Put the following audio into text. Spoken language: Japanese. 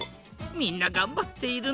みんながんばっているのう。